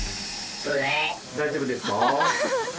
大丈夫ですか？